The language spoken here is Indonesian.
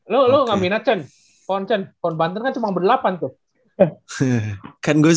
lu gak minat cenn pon cenn pon banten kan cuma ber delapan tuh